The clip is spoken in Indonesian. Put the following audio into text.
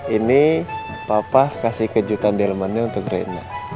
ini papa kasih kejutan delman nya untuk rena